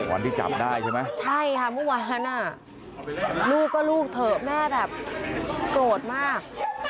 วันที่จับได้ใช่ไหมใช่ค่ะเมื่อวานอ่ะลูกก็ลูกเถอะแม่แบบโกรธมาก